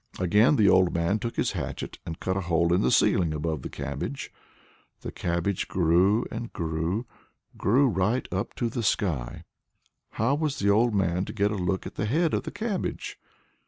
Again the old man took his hatchet and cut a hole in the ceiling above the cabbage. The cabbage grew and grew, grew right up to the sky. How was the old man to get a look at the head of the cabbage?